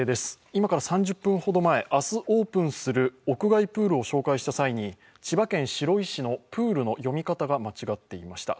今から３０分ほど前、明日オープンする屋外プールを紹介した際に、千葉県白石市のプールの読み方が間違っていました。